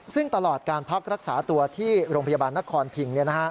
ซึ่งตลอดการพักรักษาตัวที่โรงพยาบาลนครพิง